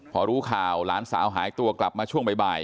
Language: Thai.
พอรู้ข่าวหลานสาวหายตัวกลับมาช่วงบ่าย